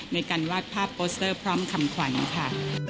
ในการวาดภาพโปสเตอร์พร้อมคำขวัญค่ะ